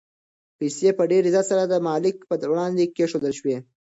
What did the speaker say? پیسې په ډېر عزت سره د مالک په وړاندې کېښودل شوې.